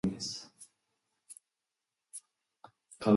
美味しいアイスクリームを食べたいです。